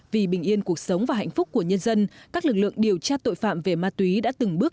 vì bình yên cuộc sống và hạnh phúc của nhân dân các lực lượng điều tra tội phạm về ma túy đã từng bước